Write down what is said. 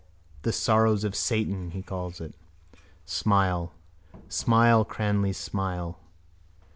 The Sorrows of Satan he calls it. Smile. Smile Cranly's smile.